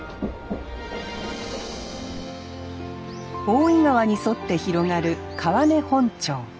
大井川に沿って広がる川根本町。